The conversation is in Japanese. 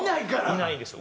いないんですよ。